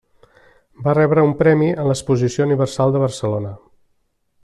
Va rebre un premi en l'Exposició Universal de Barcelona.